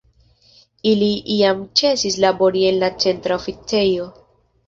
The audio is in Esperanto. Ili jam ĉesis labori en la Centra Oficejo.